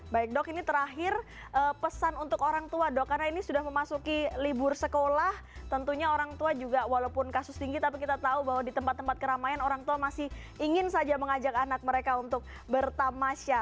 baik dok ini terakhir pesan untuk orang tua dok karena ini sudah memasuki libur sekolah tentunya orang tua juga walaupun kasus tinggi tapi kita tahu bahwa di tempat tempat keramaian orang tua masih ingin saja mengajak anak mereka untuk bertamasya